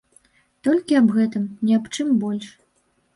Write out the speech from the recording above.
Толькі аб гэтым, ні аб чым больш.